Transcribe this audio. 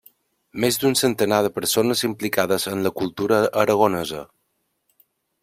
Més d'un centenar de persones implicades en la cultura aragonesa.